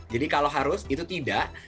jadi kalau harus itu tidak